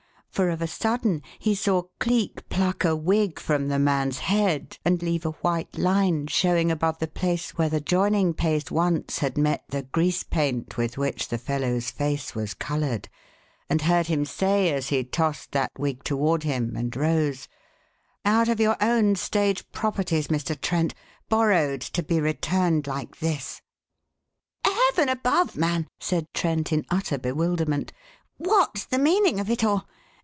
For of a sudden he saw Cleek pluck a wig from the man's head and leave a white line showing above the place where the joining paste once had met the grease paint with which the fellow's face was coloured, and heard him say as he tossed that wig toward him and rose, "Out of your own stage properties, Mr. Trent borrowed to be returned like this." "Heaven above, man," said Trent in utter bewilderment, "what's the meaning of it all?